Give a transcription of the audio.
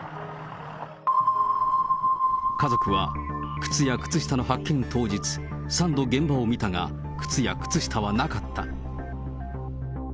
家族は、靴や靴下の発見当日、３度現場を見たが、靴や靴下はなかった。